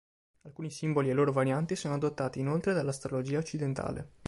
Alcuni simboli e loro varianti sono adottati inoltre dall'astrologia occidentale.